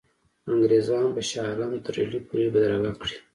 انګرېزان به شاه عالم تر ډهلي پوري بدرګه کړي.